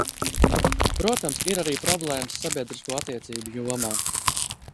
Protams, ir arī problēmas sabiedrisko attiecību jomā.